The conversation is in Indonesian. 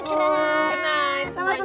selamat ulang tahun